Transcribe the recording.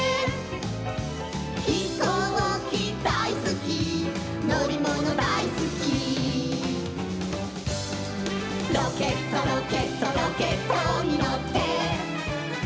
「ひこうきだいすきのりものだいすき」「ロケットロケットロケットにのって」